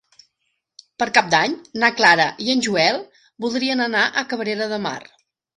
Per Cap d'Any na Clara i en Joel voldrien anar a Cabrera de Mar.